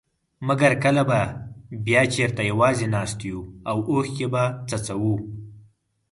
مګر کله به بيا چېرته يوازي ناست يو او اوښکي به څڅوو.